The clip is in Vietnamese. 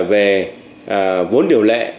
về vốn điều lệ